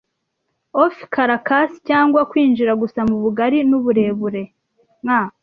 “Offe Caraccas,” cyangwa kwinjira gusa mubugari n'uburebure, nk